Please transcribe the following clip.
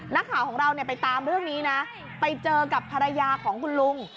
นักข่าวของเราเนี่ยไปตามเรื่องนี้นะไปเจอกับภรรยาของคุณลุง